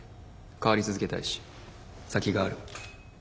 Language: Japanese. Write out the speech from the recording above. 変わり続けたいし先がある。